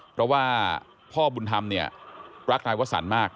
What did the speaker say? เพราะว่าพ่อบุญธรรมเนี่ยรักนายวสันมาก